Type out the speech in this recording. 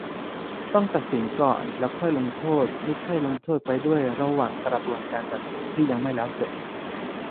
ต้องตัดสินก่อน แล้วค่อยลงโทษ - ไม่ใช่ลงโทษไปด้วยระหว่างกระบวนการตัดสินที่ยังไม่แล้วเสร็จ